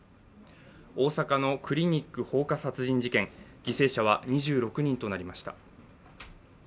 大阪のクリニック放火殺人事件犠牲者は２６人となりました。